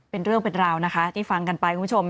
เป็นเรื่องเป็นราวนะคะที่ฟังกันไปคุณผู้ชม